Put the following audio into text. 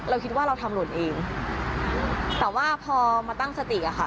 เราคิดว่าเราทำหล่นเองแต่ว่าพอมาตั้งสติอะค่ะ